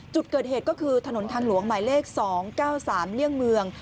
จุดเกิดเหตุก็คือถนนทางหลวงหมายเลข๒๙๓เลี่ยงเมือง